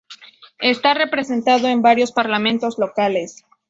Está representado en varios parlamentos locales.